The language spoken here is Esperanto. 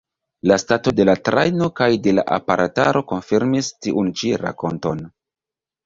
La stato de la trajno kaj de la aparataro konfirmis tiun ĉi rakonton.